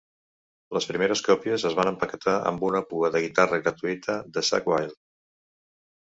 Les primeres còpies es van empaquetar amb una pua de guitarra gratuïta de Zakk Wylde.